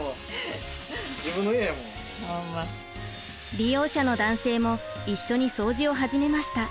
利用者の男性も一緒に掃除を始めました。